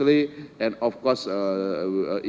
dan tentu saja